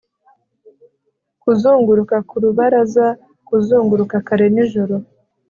kuzunguruka ku rubaraza kuzunguruka kare nijoro